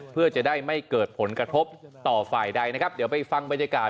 เพื่อจะได้ไม่เกิดผลกระทบต่อฝ่ายใดนะครับเดี๋ยวไปฟังบรรยากาศ